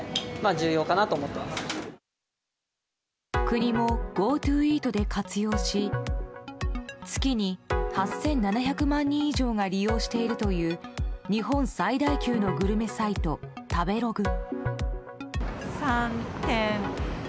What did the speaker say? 国もＧｏＴｏイートで活用し月に８７００万人以上が利用しているという日本最大級のグルメサイト食べログ。